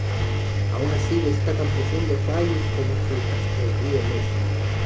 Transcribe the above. Aun así destacan profundos valles como es el caso del del río Mesa.